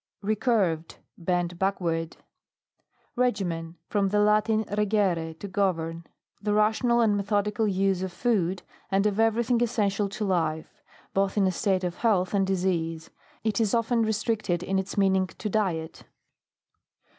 RECURVED. Bent backward. REGIMEN. From the Latin, regere, to govern. The rational and metho dic; il use of food, and of everything essential to life ; both in a state of health and disease. It is often re stricted, in its meaning, to diet.